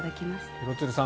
廣津留さん